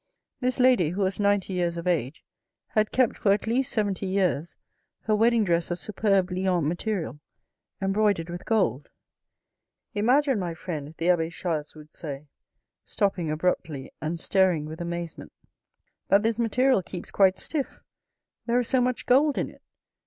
This lady, who was ninety years of age, had kept for at least seventy years her wedding dress of superb Lyons material, embroidered with gold. " Imagine, my friend," the abbe Chas would say, stopping abruptly, and staring with amazement, "that this material A PROCESSION 197 keeps quite stiff. There is so much gold in it.